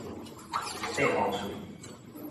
硩予碎